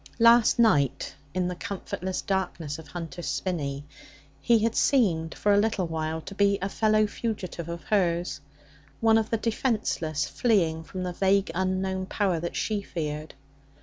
Last night, in the comfortless darkness of Hunter's Spinney, he had seemed for a little while to be a fellow fugitive of hers, one of the defenceless, fleeing from the vague, unknown power that she feared.